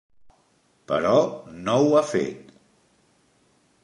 Però no ho ha fet.